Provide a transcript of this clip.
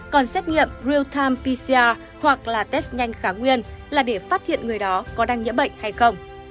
còn xét nghiệm real time pcr hoặc là test nhanh kháng nguyên là để phát hiện người đó có đang nhiễm bệnh hay không